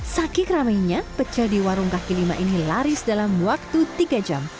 sakit ramainya pecel di warung kaki lima ini laris dalam waktu tiga jam